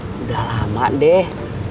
sudah lama deh